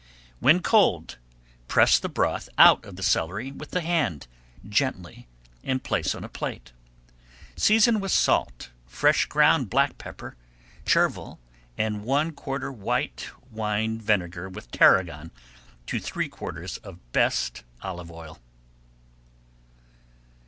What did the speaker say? When cold press the broth out of the celery with the hand, gently, and place on a plate. Season with salt, fresh ground black pepper, chervil, and one quarter white wine vinegar with tarragon to three quarters of best olive oil.